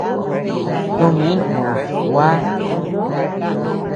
Soʼö min joʼos, gua.